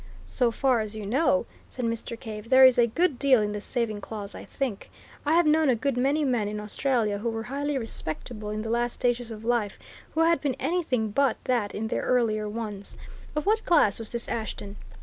"So far as you know!" said Mr. Cave. "There is a good deal in the saving clause, I think. I have known a good many men in Australia who were highly respectable in the last stages of life who had been anything but that in their earlier ones! Of what class was this Ashton?"